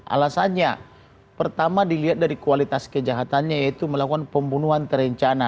alasannya pertama dilihat dari kualitas kejahatannya yaitu melakukan pembunuhan terencana